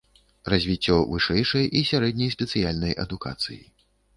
Развіццё вышэйшай і сярэдняй спецыяльнай адукацыі.